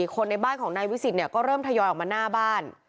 คนในบ้านของนายวิสิตก็เริ่มทยอยออกมาหน้าบ้าน